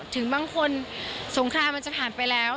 ถึงบางคนสงครามมันจะผ่านไปแล้ว